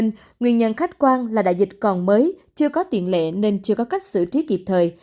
nguyên nhân khách quan là đại dịch còn mới chưa có tiền lệ nên chưa có cách xử trí kịp thời